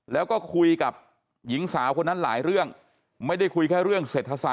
แล้วก็คุยกับหญิงสาวคนนั้นหลายเรื่อง